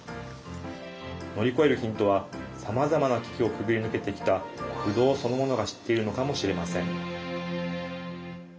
乗り越えるヒントはさまざまな危機をくぐり抜けてきたブドウそのものが知っているのかもしれません。